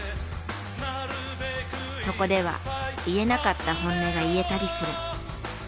そこでは言えなかった本音が言えたりする。